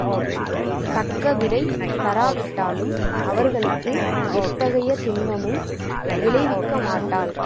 தக்கவிடை தராவிட்டாலும் அவர்களுக்கு எத்தகைய துன்பமும் விளைவிக்கமாட்டாள்.